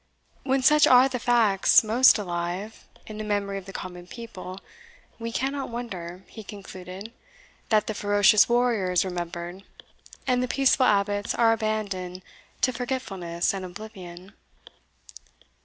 When such are the facts most alive, in the memory of the common people, we cannot wonder," he concluded, "that the ferocious warrior is remembered, and the peaceful abbots are abandoned to forgetfulness and oblivion."